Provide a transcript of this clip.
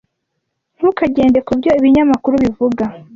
Ntukagende kubyo ibinyamakuru bivuga.